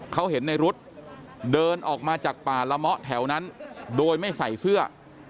เขาเห็นในรุ๊ดเดินออกมาจากป่าละเมาะแถวนั้นโดยไม่ใส่เสื้อ